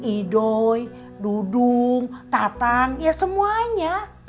akum ido dudung tatang ya semuanya